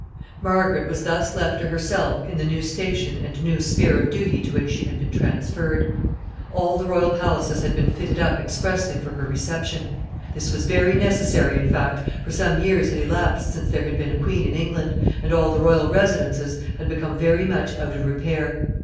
] Margaret was thus left to herself in the new station and new sphere of duty to which she had been transferred. All the royal palaces had been fitted up expressly for her reception. This was very necessary in fact, for some years had elapsed since there had been a queen in England, and all the royal residences had become very much out of repair.